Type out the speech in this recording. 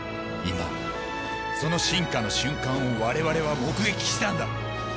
今その進化の瞬間を我々は目撃したんだ。